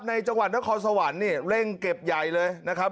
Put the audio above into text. จังหวัดนครสวรรค์นี่เร่งเก็บใหญ่เลยนะครับ